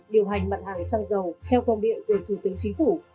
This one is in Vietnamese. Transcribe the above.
điều hành mặt hàng xăng dầu theo công điện của thủ tướng chính phủ